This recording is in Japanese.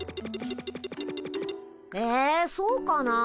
えそうかな。